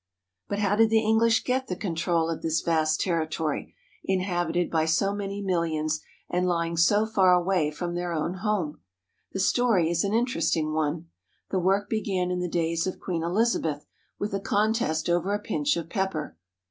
But how did the EngUsh get the control of this vast terri tory, inhabited by so many millions and lying so far away from their own home .•* The story is an interesting one. The work began in the days of Queen Elizabeth with a contest over a pinch of pepper.